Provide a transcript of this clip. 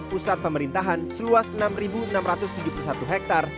pusat pemerintahan seluas enam enam ratus tujuh puluh satu hektare